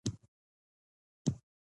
په خبرو کې اعتدال وساتئ.